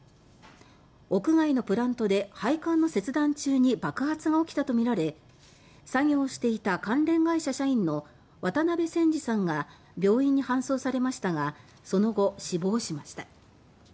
屋外のプラントで配管の切断中に爆発が起きたとみられ作業をしていた関連会社社員の渡辺仙二さんが病院に搬送されましたがその後、死亡しました。